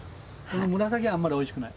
紫はあんまりおいしくない。